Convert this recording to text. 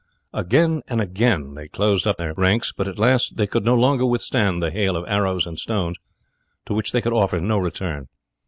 Again and again they closed up the gaps in their ranks, but at last they could no longer withstand the hail of arrows and stones, to which they could offer no return.